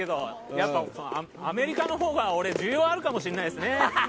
やっぱりアメリカのほうが俺、需要あるかもしれないですね。